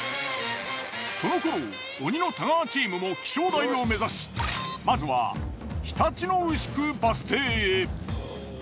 そのころ鬼の太川チームも気象台を目指しまずはひたち野うしくバス停へ。